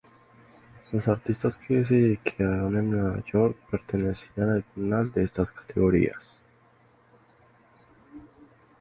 Los artistas que se quedaron en Nueva York pertenecían a alguna de estas categorías.